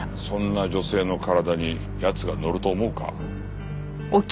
そんな女性の体に奴が乗ると思うか？